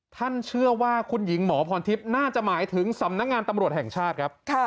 ท่านเชื่อว่าคุณหญิงหมอพรทิพย์น่าจะหมายถึงสำนักงานตำรวจแห่งชาติครับ